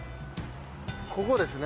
ここですね